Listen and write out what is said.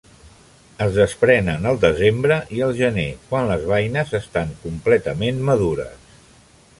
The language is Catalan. Es desprenen al desembre i al gener, quan les beines estan completament madures.